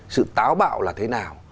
sự táo bạo là thế nào